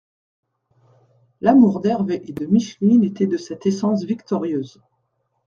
L’amour d’Hervé et de Micheline était de cette essence victorieuse.